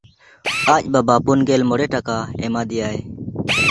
ᱟᱡ ᱵᱟᱵᱟ ᱯᱩᱱᱜᱮᱞ ᱢᱚᱬᱮ ᱴᱟᱠᱟ ᱮᱢᱟ ᱫᱮᱭᱟᱭ᱾